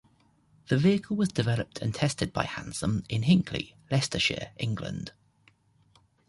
The vehicle was developed and tested by Hansom in Hinckley, Leicestershire, England.